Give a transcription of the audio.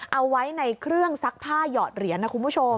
เอาไว้ในเครื่องซักผ้าหยอดเหรียญนะคุณผู้ชม